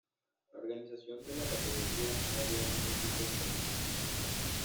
La organización de la categoría ha variado en múltiples ocasiones.